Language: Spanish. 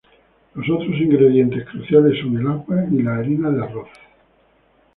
Los otros ingredientes cruciales son el agua y la harina de arroz.